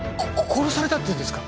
殺されたっていうんですか？